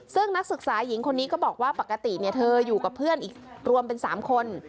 ซึ่งนักศึกษาหญิงคนนี้ก็บอกว่าปกติเธออยู่กับเพื่อนอีกรวมเป็น๓คน